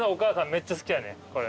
めっちゃ好きやねんこれ。